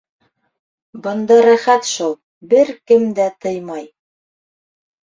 Бында рәхәт шул, бер кем дә тыймай.